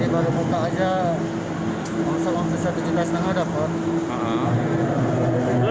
kali baru buka aja langsung satu lima juta dah pak